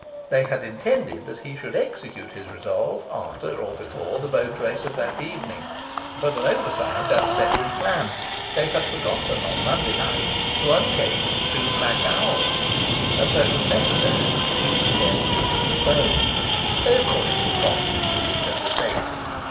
They had intended that he should execute his resolve after, or before, the boat race of that evening. But an oversight upset this plan. They had forgotten on Monday night to uncage the two black owls; and so it was necessary that the Duke's death should be postponed. They accordingly prompted Zuleika to save him.